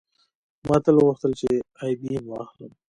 ما تل غوښتل چې آی بي ایم واخلم